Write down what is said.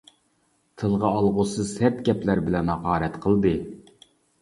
تىلغا ئالغۇسىز سەت گەپلەر بىلەن ھاقارەت قىلدى.